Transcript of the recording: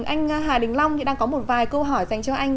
anh hà đình long hiện đang có một vài câu hỏi dành cho anh